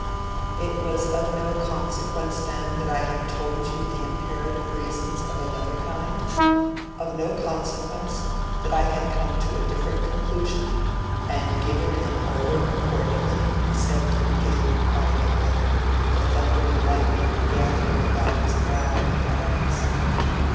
"It was of no consequence then that I had told you imperative reasons of another kind; of no consequence that I had come to a different conclusion, and given an order accordingly?" said Lydgate, bitingly, the thunder and lightning gathering about his brow and eyes.